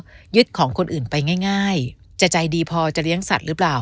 ถ้ายึดของคนอื่นไปง่ายจะใจดีพอจะเลี้ยงสัตว์หรือเปล่า